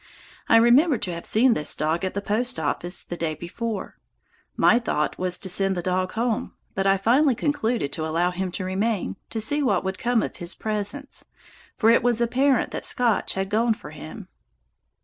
I remembered to have seen this dog at the post office the day before. My first thought was to send the dog home, but I finally concluded to allow him to remain, to see what would come of his presence, for it was apparent that Scotch had gone for him.